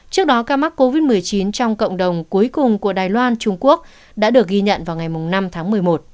trước đó ca mắc covid một mươi chín trong cộng đồng cuối cùng của đài loan trung quốc đã được ghi nhận vào ngày năm tháng một mươi một